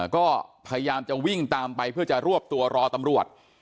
ก็พยายามจะวิ่งตามไปเพื่อจะรวบตัวรอตำรวจ